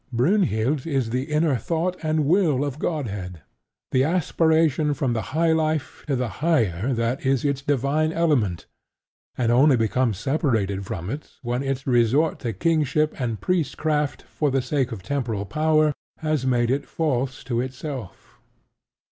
Brynhild is the inner thought and will of Godhead, the aspiration from the high life to the higher that is its divine element, and only becomes separated from it when its resort to kingship and priestcraft for the sake of temporal power has made it false to itself.